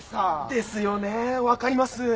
ですよね分かります。